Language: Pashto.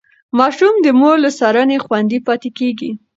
ماشوم د مور له څارنې خوندي پاتې کېږي.